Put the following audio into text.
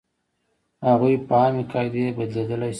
هغوی په عامې قاعدې بدلېدلی شوې.